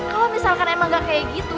kalau misalkan emang gak kayak gitu